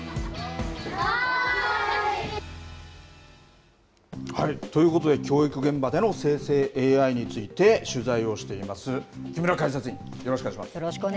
はい、ということで教育現場での生成ＡＩについて取材をしています、木村解説員よろしくお願いします。